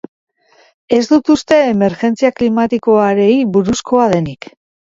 Ez dut uste emergentzia klimatikoarei buruzkoa denik.